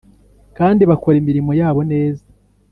kandi bakora imirimo yabo neza